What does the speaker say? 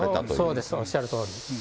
そうです、おっしゃるとおりです。